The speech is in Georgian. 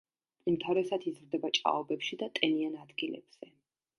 უმთავრესად იზრდება ჭაობებში და ტენიან ადგილებზე.